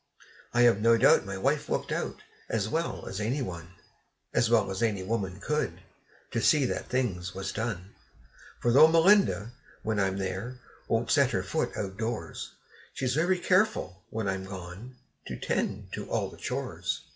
I have no doubt my wife looked out, as well as any one As well as any woman could to see that things was done: For though Melinda, when I'm there, won't set her foot outdoors, She's very careful, when I'm gone, to tend to all the chores.